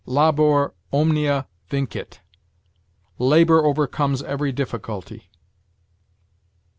Labor omnia vincit: labor overcomes every difficulty.